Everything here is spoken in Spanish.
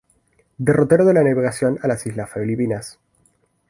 Derrotero de la navegación a las islas Filipinas.